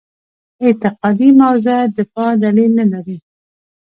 اعتقادي موضع دفاع دلیل نه لري.